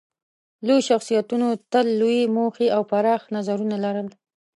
لویو شخصیتونو تل لویې موخې او پراخ نظرونه لرل.